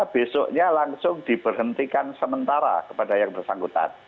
besoknya langsung diberhentikan sementara kepada yang bersangkutan